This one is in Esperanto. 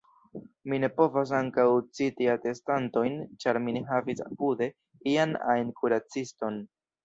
Mi ne povas ankaŭ citi atestantojn, ĉar mi ne havis apude ian ajn kuraciston.